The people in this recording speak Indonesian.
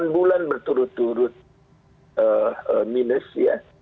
delapan bulan berturut turut minus ya